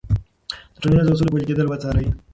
د ټولنیزو اصولو پلي کېدل وڅارئ.